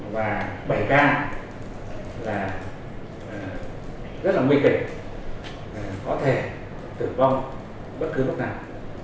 và bảy ca là rất là nguy kịch có thể tử vong bất cứ bất nặng